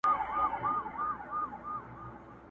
چي سېلونه د مرغیو چینارونو ته ستنیږي!!